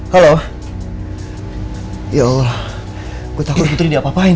halo ya allah gue takut putri diapapain